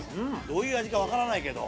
どういう味か分からないけど。